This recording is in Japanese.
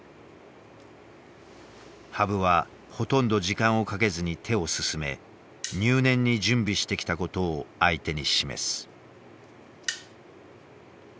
羽生はほとんど時間をかけずに手を進め入念に準備してきたことを相手に示す。